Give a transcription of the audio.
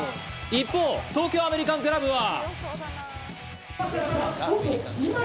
一方、東京アメリカンクラブは。